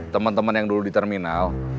teman teman yang dulu di terminal